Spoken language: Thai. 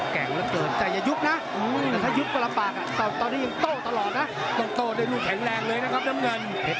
แต่ถ้ายุบก็ระปากนะตอนนี้ยิงโตตลอดนะ